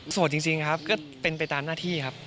จริงครับก็เป็นไปตามหน้าที่ครับ